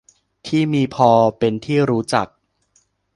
ที่มีพอเป็นที่รู้จัก